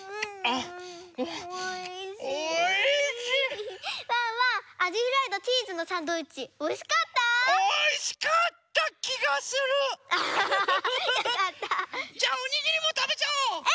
ハハハハハ。じゃあおにぎりもたべちゃおう！